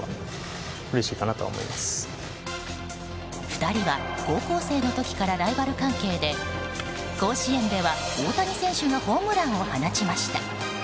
２人は高校生の時からライバル関係で甲子園では大谷選手がホームランを放ちました。